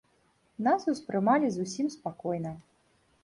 Нас успрымалі зусім спакойна.